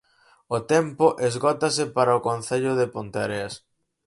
O tempo esgótase para o Concello de Ponteareas.